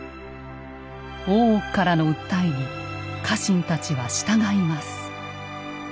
大奥からの訴えに家臣たちは従います。